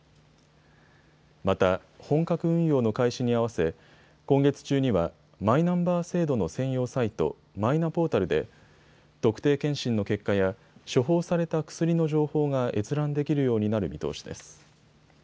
また、本格運用の開始に合わせ今月中にはマイナンバー制度の専用サイト、マイナポータルで特定健診の結果や処方された薬の情報が閲覧できるようになる見通しです。